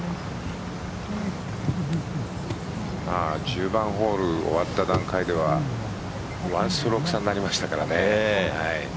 １０番ホール終わった段階では１ストローク差になりましたからね。